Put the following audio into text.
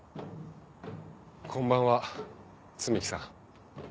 こんばんは摘木さん。